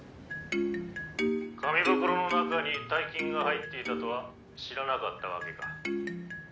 紙袋の中に大金が入っていたとは知らなかったわけか。